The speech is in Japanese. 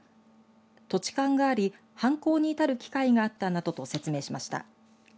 土地勘があり犯行に至る機会があったなどと説明しました。